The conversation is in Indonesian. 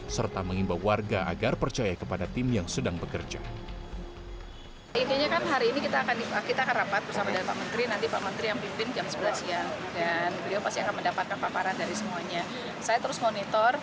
serta mengambil alih dari keterangan dan keberadaan